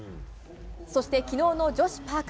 そしてきのうの女子パーク。